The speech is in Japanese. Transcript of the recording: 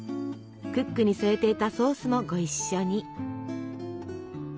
クックに添えていたソースもご一緒に。